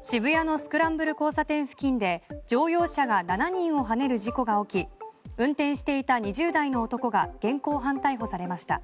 渋谷のスクランブル交差点付近で乗用車が７人をはねる事故が起き運転していた２０代の男が現行犯逮捕されました。